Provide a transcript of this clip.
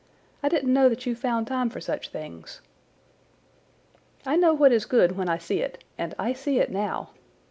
I didn't know that you found time for such things." "I know what is good when I see it, and I see it now.